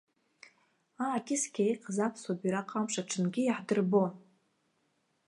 Аакьыскьа иҟаз аԥсуа бираҟ амш аҽынгьы иаҳдырбон.